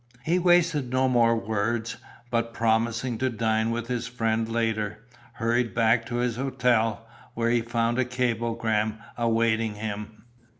He wasted no more words, but, promising to dine with his friend later, hurried back to his hotel, where he found a cablegram awaiting him.